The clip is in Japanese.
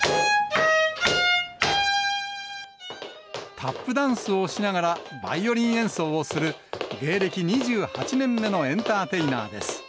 タップダンスをしながらバイオリン演奏をする、芸歴２８年目のエンターテイナーです。